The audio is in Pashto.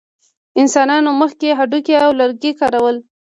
انسانانو مخکې هډوکي او لرګي کارول.